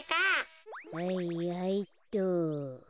はいはいっと。